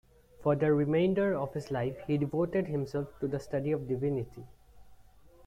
For the remainder of his life he devoted himself to the study of divinity.